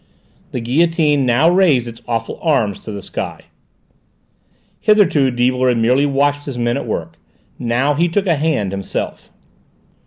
The guillotine now raised its awful arms to the sky. Hitherto Deibler had merely watched his men at work. Now he took a hand himself.